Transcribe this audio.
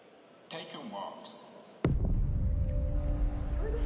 おいで！